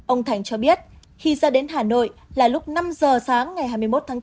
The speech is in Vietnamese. ông thành cho biết khi ra đến hà nội là lúc năm giờ sáng ngày hai mươi một tháng bốn